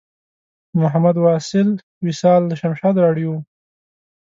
محمد واصل وصال له شمشاد راډیو و.